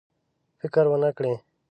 فکر ونه کړي.